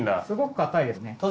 すごく硬いですね。